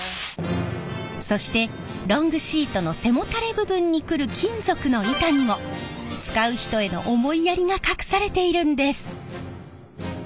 そしてロングシートの背もたれ部分にくる金属の板にも使う人への思いやりが隠されているんです。